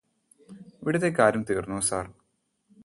ഇവിടത്തെ കാര്യം തീര്ന്നോ സര്